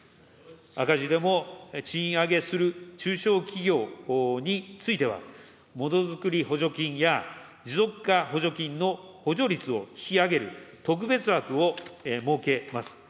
赤字でも賃上げする中小企業については、ものづくり補助金や、持続化補助金の補助率を引き上げる特別枠を設けます。